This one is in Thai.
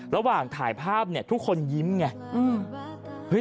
ระหว่างถ่ายภาพเนี่ยทุกคนยิ้มไง